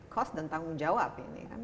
cost dan tanggung jawab ini